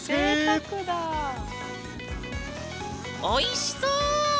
おいしそ！